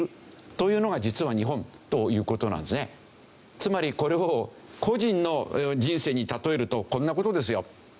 つまりこれを個人の人生に例えるとこんな事ですよ。